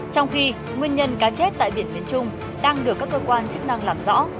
trong khi nguyên nhân cá chết tại biển miền trung đang được các cơ quan chức năng làm rõ